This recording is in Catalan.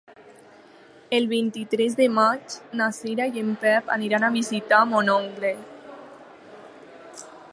El vint-i-tres de maig na Cira i en Pep aniran a visitar mon oncle.